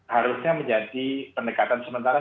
harusnya menjadi pendekatan sementara